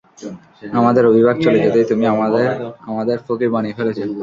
আমাদের অভিবাক চলে যেতেই তুমি আমাদের ফকির বানিয়ে ফেলছো।